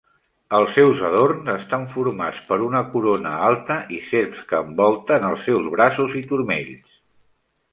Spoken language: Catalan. Els seus adorns estan formats per una corona alta i serps que envolten els seus braços i turmells.